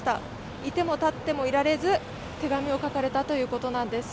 いてもたってもいられず手紙を書かれたということなんです。